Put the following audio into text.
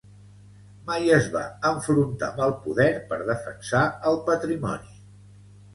Mai es va enfrontar amb el poder per defensar el patrimoni